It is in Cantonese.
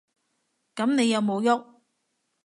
噉你有無郁？